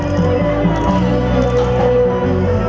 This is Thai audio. สวัสดี